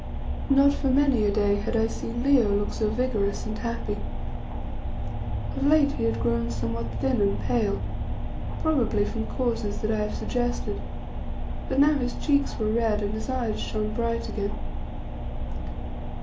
Not for many a day had I seen Leo look so vigorous and happy. Of late he had grown somewhat thin and pale, probably from causes that I have suggested, but now his cheeks were red and his eyes shone bright again.